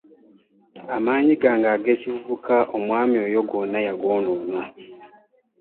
Amanyi gange ag'ekivubuka omwaami ouo gonna yagonoona .